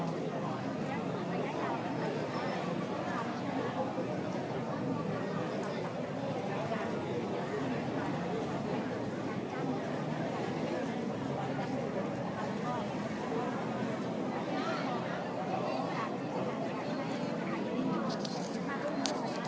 และที่อยู่ด้านหลังคุณยิ่งรักนะคะก็คือนางสาวคัตยาสวัสดีผลนะคะ